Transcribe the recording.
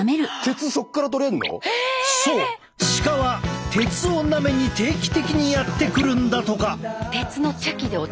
そう鹿は鉄をなめに定期的にやって来るんだとか。